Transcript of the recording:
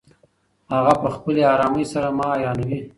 هغه په خپلې ارامۍ سره ما حیرانوي.